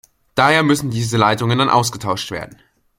Daher müssen diese Leitungen dann ausgetauscht werden.